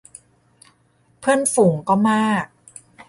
เพื่อนฝูงก็มาก